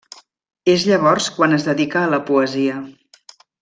És llavors quan es dedica a la poesia.